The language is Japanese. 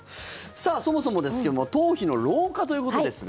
そもそもですけども頭皮の老化ということですが。